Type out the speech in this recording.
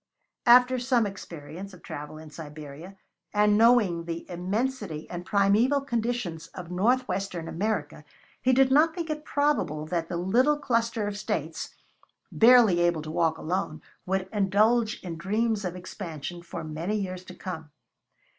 After some experience of travel in Siberia, and knowing the immensity and primeval conditions of north western America, he did not think it probable that the little cluster of states, barely able to walk alone, would indulge in dreams of expansion for many years to come.